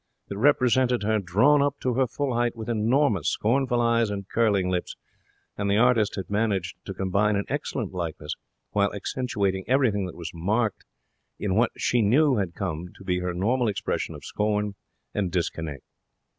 It represented her, drawn up to her full height, with enormous, scornful eyes and curling lips, and the artist had managed to combine an excellent likeness while accentuating everything that was marked in what she knew had come to be her normal expression of scorn and discontent.